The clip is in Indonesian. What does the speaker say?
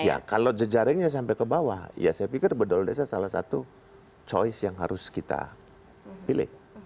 ya kalau jejaringnya sampai ke bawah ya saya pikir bedol desa salah satu choice yang harus kita pilih